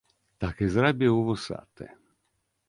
Так і зрабіў вусаты.